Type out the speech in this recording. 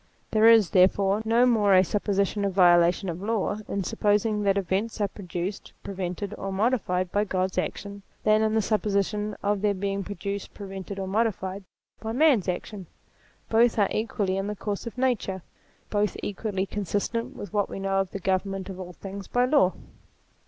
There is, therefore, no more a supposition of violation of law in supposing that events are produced, prevented, or modified by God's action, than in the supposition of their being produced, prevented, or modified by man's action. REVELATION 227 Both are equally in the course of nature, both equally consistent with what we know of the government of all things by law.